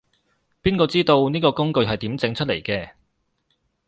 邊個知道，呢個工具係點整出嚟嘅